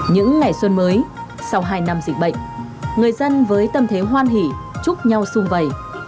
những ngày xuân mới sau hai năm dịch bệnh người dân với tâm thế hoan hỉ chúc nhau xung vầy